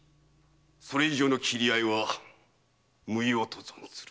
それ以上の斬り合いは無用とぞんずる。